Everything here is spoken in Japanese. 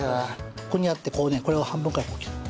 ここにやってこうねこれを半分からこう切る。